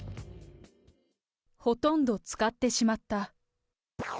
ほとんど使ってしまった。